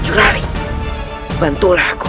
jurali bantulah aku